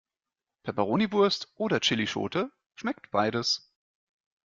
Peperoniwurst oder Chillischote schmeckt beides.